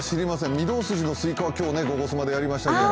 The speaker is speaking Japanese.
御堂筋のスイカは今日「ゴゴスマ」でやりましたけど。